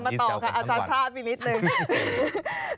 ต่อค่ะอาจารย์พลาดไปนิดนึง